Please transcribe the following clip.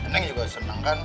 neng juga senang kan